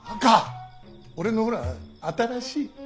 俺のほら新しい。